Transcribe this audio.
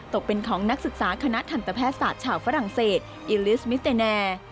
ตกเป็นของนักศึกษาคณะทันตแพทยศาสตร์ชาวฝรั่งเศสอิลิสมิสเตแน